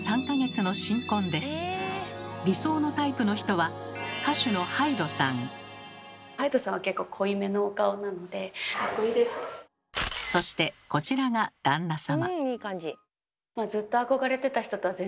理想のタイプの人は歌手のそしてこちらが旦那様。